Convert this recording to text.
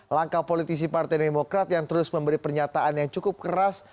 langkah politisi partai demokrat yang terus memberi pernyataan yang cukup keras